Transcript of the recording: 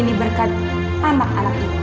ini berkat anak anak kita